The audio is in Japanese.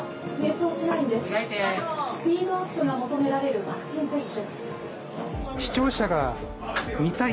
スピードアップが求められるワクチン接種」。